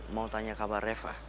mau tanya kabar reva